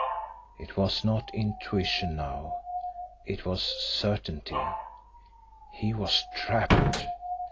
It was not intuition now it was certainty. He was trapped!